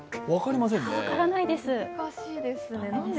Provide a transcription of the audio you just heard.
分からないですね。